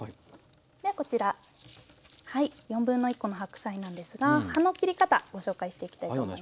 ではこちらはい1/4コの白菜なんですが葉の切り方ご紹介していきたいと思います。